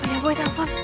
bukannya boy telfon